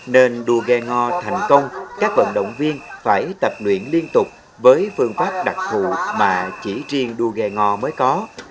nên đua ghe ngò thành công các vận động viên phải tập luyện liên tục với phương pháp đặc vụ mà chỉ riêng đua ghe ngò mới có